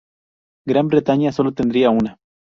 Gran Bretaña sólo tendría una.